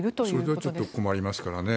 それじゃちょっと困りますからね。